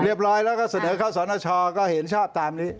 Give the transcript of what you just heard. เรียบร้อยแล้วก็เสนอเข้าสนชก็เห็นชอบตามนี้